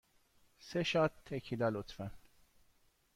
سه شات تکیلا، لطفاً.